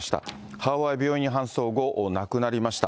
母親は病院に搬送後、亡くなりました。